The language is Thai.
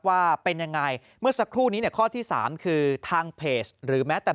ว่าเป็นยังไงเมื่อสักครู่นี้เนี่ยข้อที่สามคือทางเพจหรือแม้แต่